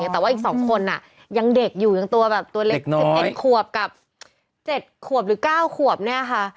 แต่ว่าอีก๒คนน่ะยังเด็กอยู่ยังตัวเล็ก๑๐เอ็นขวบกับ๗ขวบหรือ๙ขวบนี่ค่ะ